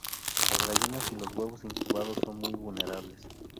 Las gallinas y los huevos incubados son muy vulnerables.